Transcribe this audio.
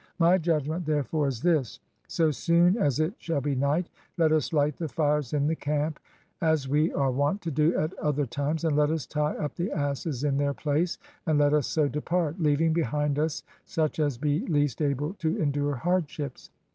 My judgment 342 KING DARIUS AND THE FLYING SCYTHIANS therefore is this: so soon as it shall be night, let us light the fires in the camp, as wc are wont to do at other times, and let us tie up the asses in their place, and let us so depart, leaving behind us such as be least able to endure hardships.